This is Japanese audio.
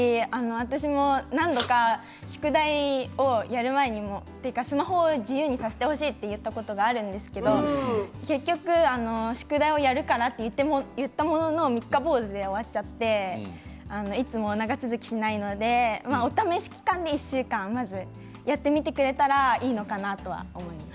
なんとか宿題をやる前にというかスマホを自由にさせてほしいと言ったことがあるんですけれど結局宿題をやるからと言ったものの三日坊主で終わってしまっていつも長続きしないのでお試し期間で１週間やってみてくれたらいいのかなと思います。